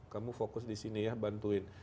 kamu fokus di sini ya bantuin